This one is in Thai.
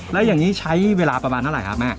แล้วอย่างนี้ใช้เวลาประมาณเท่าไหร่ครับแม่